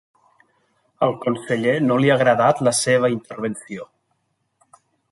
Al conseller no li ha agradat la seva intervenció.